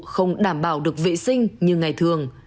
không đảm bảo được vệ sinh